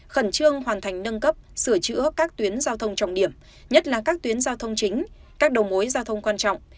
khẩn trương hoàn thành nâng cấp sửa chữa các tuyến giao thông trọng điểm nhất là các tuyến giao thông chính các đầu mối giao thông quan trọng